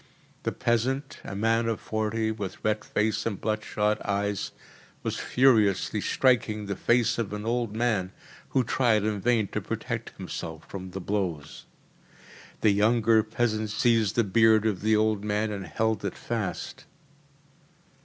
The peasant a man of forty, with red face and blood shot eyes was furiously striking the face of an old man, who tried in vain to protect himself from the blows. The younger peasant seized the beard of the old man and held it fast.